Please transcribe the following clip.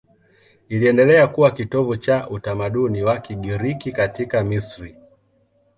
Iliendelea kuwa kitovu cha utamaduni wa Kigiriki katika Misri.